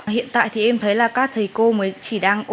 hiện tại thì em thấy là các thầy cô mới chỉ đang ôn